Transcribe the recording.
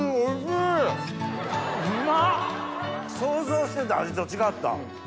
想像してた味と違った。